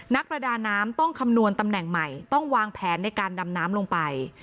นักประดาน้ำต้องคำนวณตำแหน่งใหม่ต้องวางแผนในการดำน้ำลงไป